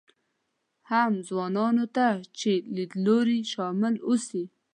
هم ځوانانو ته چې لیدلوري شامل اوسي.